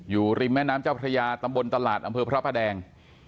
อยู่ริมแม่น้ำเจ้าพระยาตำบลตลาดอำเภอพระประแดง